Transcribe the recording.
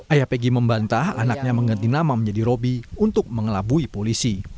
ayah pegg membantah anaknya mengganti nama menjadi roby untuk mengelabui polisi